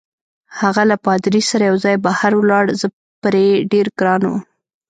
هغه له پادري سره یوځای بهر ولاړ، زه پرې ډېر ګران وم.